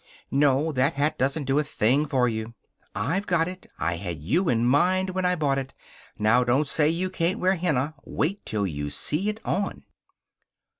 "No, that hat doesn't do a thing for you." "I've got it. I had you in mind when I bought it. Now don't say you can't wear henna. Wait till you see it on."